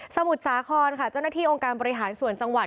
มุทรสาครค่ะเจ้าหน้าที่องค์การบริหารส่วนจังหวัด